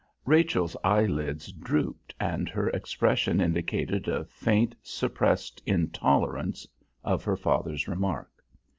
Rachel's eyelids drooped and her expression indicated a faint, suppressed intolerance of her father's remark.